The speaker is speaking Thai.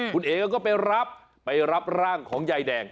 คุณเอ๋ก็ไปรับไปรับร่างของยายแดง